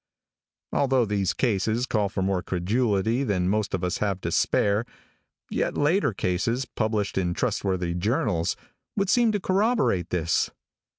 Although these cases call for more credulity than most of us have to spare, yet later cases, published in trustworthy journals, would seem to corroborate this.